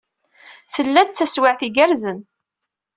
Tella-d d taswiɛt igerrzen.